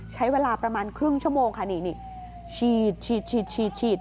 ใช้เวลาประมาณครึ่งชั่วโมงค่ะนี่นี่ฉีดฉีด